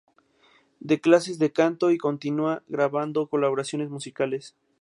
Da clases de canto y continúa grabando colaboraciones musicales.